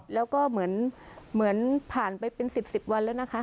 แล้วก็เหมือนผ่านไปเป็น๑๐๑๐วันแล้วนะคะ